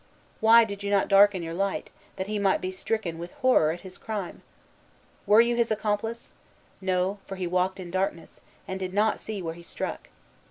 Why did you not darken your light, that he might be stricken with horror at his crime? Were you his accomplice? No; for he walked in darkness, and did not see where he struck.